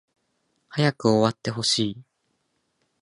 早く終わってほしい